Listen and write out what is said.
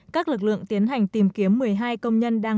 các lực lượng tiến hành tìm kiếm một mươi hai công nhân đang